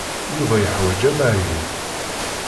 Yuba yeḥwaj amahil.